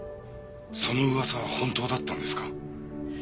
その噂は本当だったんですか？